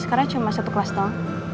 sekarang cuma satu kelas dong